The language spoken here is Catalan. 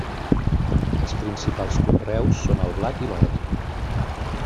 Els principals conreus són el blat i l'ordi.